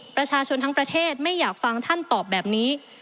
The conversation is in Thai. ประชาชนทั้งประเทศไม่อยากฟังท่านตอบแบบนี้